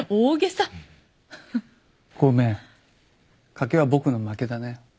賭けは僕の負けだね。